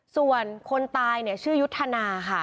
ส่วนคนตายเนี่ยชื่อยุทธนาค่ะ